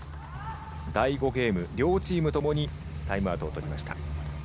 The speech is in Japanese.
第５ゲーム両チーム共にタイムアウトをとりました。